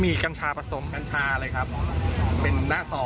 เป็นหน้าซองเลย